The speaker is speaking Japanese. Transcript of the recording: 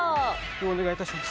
お願いいたします。